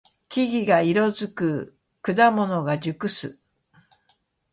木々が色づく。果物が熟す。